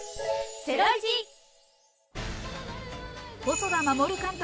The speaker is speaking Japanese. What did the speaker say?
細田守監督